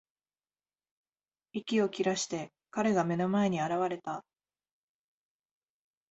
息を切らして、彼が目の前に現れた。